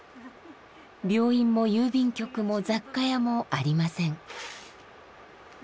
病院も郵便局も雑貨屋もありません。